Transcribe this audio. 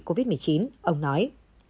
covid một mươi chín ông nói